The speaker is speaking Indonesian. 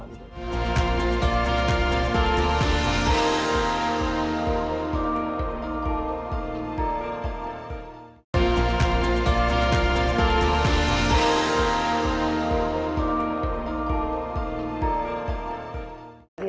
jadi kita harus tumbuh bersama